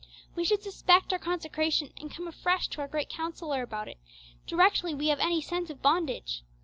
We should suspect our consecration, and come afresh to our great Counsellor about it, directly we have any sense of bondage.